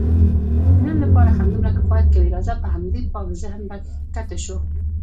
د نن لپاره همدومره کفایت کوي، راځه په همدې پاک ذهن به کښته شو.